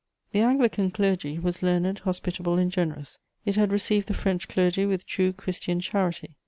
The Anglican clergy was learned, hospitable, and generous; it had received the French clergy with true Christian charity.